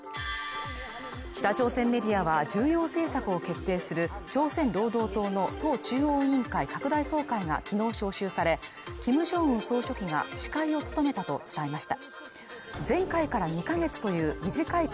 北朝鮮メディアは重要政策を決定する朝鮮労働党の党中央委員会総会が昨日招集され、キム・ジョンウン総書記が司会を務めたと伝えました。